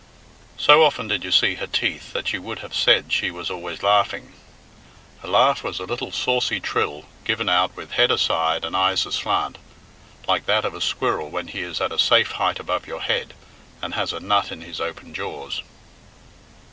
So often did you see her teeth that you would have said she was always laughing. Her laugh was a little saucy trill given out with head aside and eyes aslant, like that of a squirrel when he is at a safe height above your head, and has a nut in his open jaws.